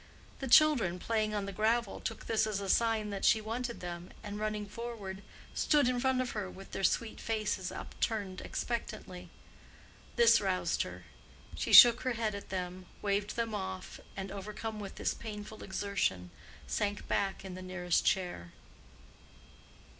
The children, playing on the gravel, took this as a sign that she wanted them, and, running forward, stood in front of her with their sweet faces upturned expectantly. This roused her: she shook her head at them, waved them off, and overcome with this painful exertion, sank back in the nearest chair.